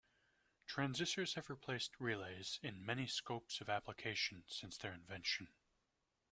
Transistors have replaced relays in many scopes of application since their invention.